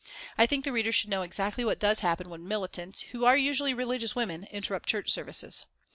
I think the reader should know exactly what does happen when militants, who are usually religious women, interrupt church services.